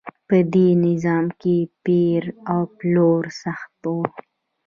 په دې نظام کې پیر او پلور سخت و.